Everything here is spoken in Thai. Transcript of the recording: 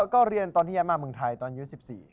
ก็เรียนตอนที่ย้ายมาเมืองไทยตอนอายุ๑๔